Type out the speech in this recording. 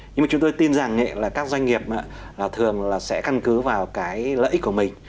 nhưng mà chúng tôi tin rằng là các doanh nghiệp thường là sẽ căn cứ vào cái lợi ích của mình